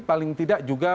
paling tidak juga